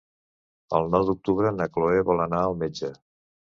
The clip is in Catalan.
El nou d'octubre na Chloé vol anar al metge.